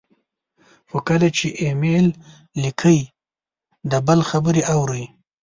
خو کله چې ایمیل لیکئ، د بل خبرې اورئ،